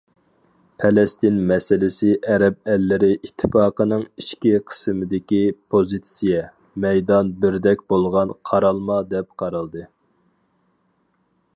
پەلەستىن مەسىلىسى ئەرەب ئەللىرى ئىتتىپاقىنىڭ ئىچكى قىسمىدىكى پوزىتسىيە، مەيدان بىردەك بولغان قارالما دەپ قارالدى.